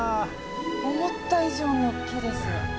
思った以上におっきいです！